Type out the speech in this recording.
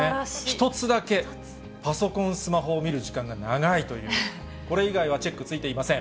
１つだけ、パソコン、スマホを見る時間が長いという、これ以外はチェックついていません。